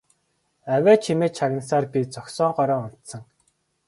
Авиа чимээ чагнасаар би зогсоогоороо унтсан.